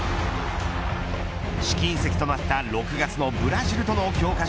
試金石となった６月のブラジルとの強化